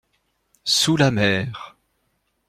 Sous la mer.